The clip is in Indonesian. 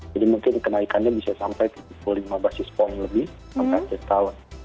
jadi mungkin kenaikannya bisa sampai tujuh puluh lima basis point lebih setahun